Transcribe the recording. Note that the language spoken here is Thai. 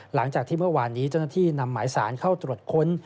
หลังจากที่เมื่อวานนี้เจ้าหน้าที่นำหมายสารเข้าตรวจค้น